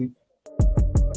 yaya sonlentera mendukung